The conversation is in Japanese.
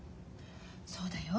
そうだよ。